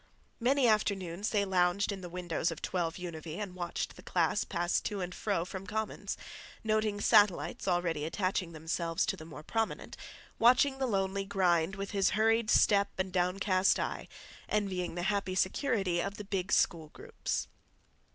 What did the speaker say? Many afternoons they lounged in the windows of 12 Univee and watched the class pass to and from Commons, noting satellites already attaching themselves to the more prominent, watching the lonely grind with his hurried step and downcast eye, envying the happy security of the big school groups.